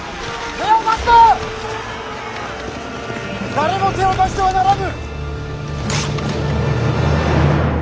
誰も手を出してはならぬ！